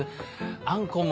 あんこも。